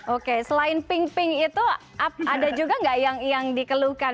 oke selain pink pink itu ada juga nggak yang dikeluhkan